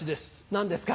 何ですか？